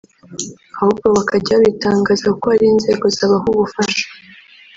ahubwo bakajya babitangaza kuko hari inzego zabaha ubufasha